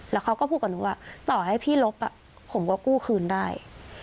แล้วเขาก็พูดกับหนูว่าต่อให้พี่ลบผมก็กู้คืนได้